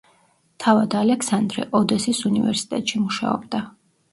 თავად ალექსანდრე ოდესის უნივერსიტეტში მუშაობდა.